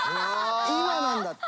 今なんだって。